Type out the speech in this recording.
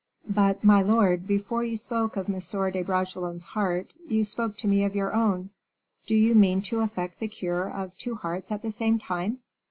"But, my lord, before you spoke of M. de Bragelonne's heart, you spoke to me of your own. Do you mean to effect the cure of two hearts at the same time?"